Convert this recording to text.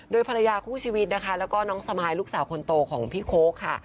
โดยภรรยาคู่ชีวิตนะคะแล้วก็น้องสมายลูกสาวคนโตของพี่โค้กค่ะ